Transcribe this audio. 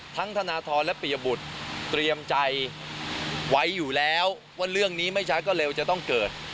ธนทรและปียบุตรเตรียมใจไว้อยู่แล้วว่าเรื่องนี้ไม่ใช้ก็เร็วจะต้องเกิด